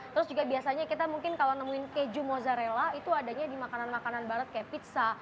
terus juga biasanya kita mungkin kalau nemuin keju mozzarella itu adanya di makanan makanan barat kayak pizza